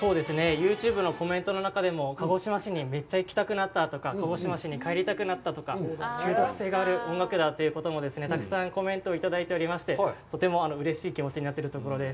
ユーチューブのコメントの中でも鹿児島市にめっちゃ行きたくなったとか、鹿児島市に帰りたくなったとか、中毒性があるということもたくさんコメントをいただいておりまして、とてもうれしい気持ちになっているところです。